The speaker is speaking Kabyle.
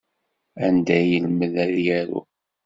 Anda ay yelmed ad yaru?